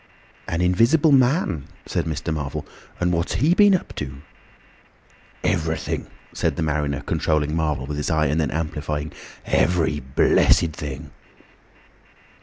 "An Invisible Man!" said Mr. Marvel. "And what's he been up to?" "Everything," said the mariner, controlling Marvel with his eye, and then amplifying, "every—blessed—thing."